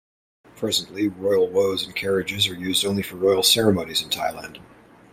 Presently, Royal Wos and carriages are only used for royal ceremonies in Thailand.